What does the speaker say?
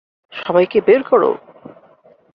সবাইকে বের কর!